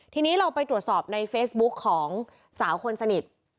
ทีนี้เราไปตรวจสอบในเฟซบุ๊กของสาวคนสนิท